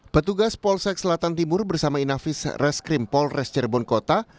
petugas polsek selatan timur bersama inavis reskrim polres cirebon kota